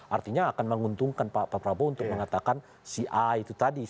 artinya akan menguntungkan pak prabowo untuk mengatakan si a itu tadi